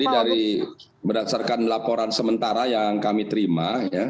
jadi dari berdasarkan laporan sementara yang kami terima